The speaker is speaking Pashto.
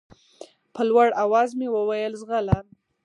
په لوړ اواز مې وويل ځغله.